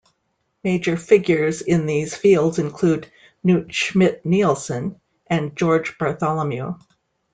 Major figures in these fields include Knut Schmidt-Nielsen and George Bartholomew.